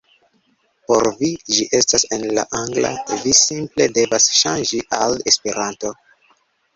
Por vi, ĝi estas en la angla vi simple devas ŝanĝi al Esperanto